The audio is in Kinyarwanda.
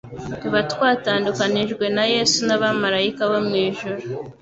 tuba twatandukanijwe na Yesu n'abamaraika bo mu ijuru.